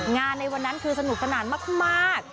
ในวันนั้นคือสนุกสนานมาก